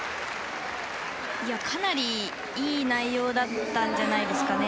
かなりいい内容だったんじゃないですかね。